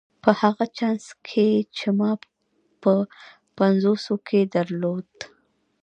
په هغه چانس کې چې ما په پنځوسو کې درلود.